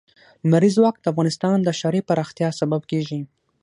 لمریز ځواک د افغانستان د ښاري پراختیا سبب کېږي.